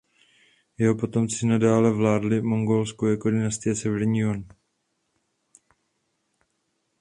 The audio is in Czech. Jeho potomci nadále vládli Mongolsku jako dynastie Severní Jüan.